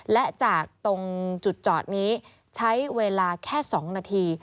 และจากตรงจุดจอดนี้ใช้เวลาแค่๒นาที